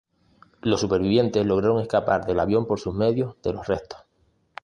Los supervivientes lograron escapar del avión por sus medios de los restos.